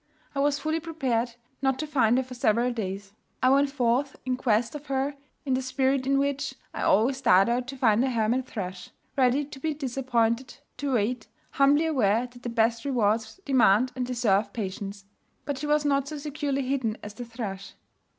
I was fully prepared not to find her for several days. I went forth in quest of her in the spirit in which I always start out to find a hermit thrush ready to be disappointed, to wait, humbly aware that the best rewards demand and deserve patience. But she was not so securely hidden as the thrush.